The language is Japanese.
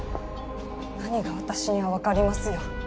何が「私には分かります」よ。